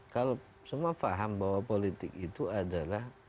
kalau semua paham bahwa politik itu adalah